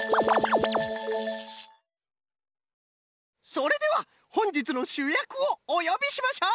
それではほんじつのしゅやくをおよびしましょう！